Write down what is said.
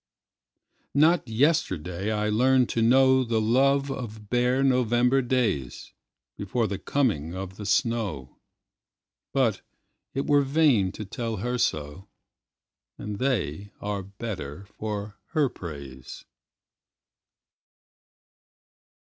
Not yesterday I learned to knowThe love of bare November daysBefore the coming of the snow; But it were vain to tell her so, And they are better for her praise.